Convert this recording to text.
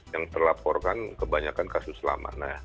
yang terlaporkan kebanyakan kasus lama